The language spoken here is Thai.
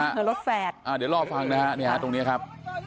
อะเดี๋ยวลองฟังนะฮะนี่ฮะตรงนี้ครับ